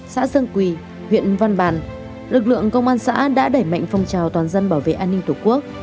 xã sơn quỳ huyện văn bàn lực lượng công an xã đã đẩy mạnh phong trào toàn dân bảo vệ an ninh tổ quốc